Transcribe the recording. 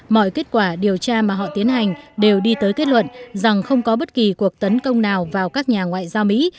mọi kết quả điều tra mà họ tiến hành đều đi tới kết luận rằng không có bất kỳ cuộc tấn công nào vào các nhà ngoại giao mỹ